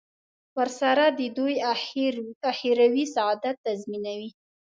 ورسره د دوی اخروي سعادت تضمینوي.